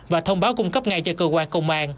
và thông báo cung cấp ngay cho cơ quan công an